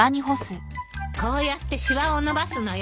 こうやってしわをのばすのよ。